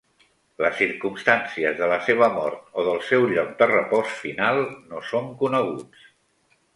Les circumstàncies de la seva mort o del seu lloc de repòs final no són coneguts.